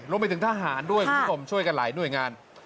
รวมไปถึงทหารด้วยคุณผู้ชมช่วยกันหลายหน่วยงาน